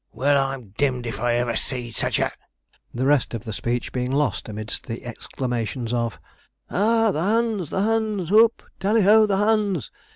'Well, I'm dimmed if ever I seed sich a ' The rest of the speech being lost amidst the exclamations of: 'Ah! the hunds! the hunds! hoop! tally o the hunds!'